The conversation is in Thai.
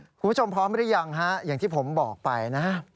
คุณผู้ชมพร้อมหรือยังฮะอย่างที่ผมบอกไปนะ